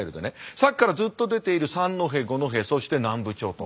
さっきからずっと出ている三戸五戸そして南部町と。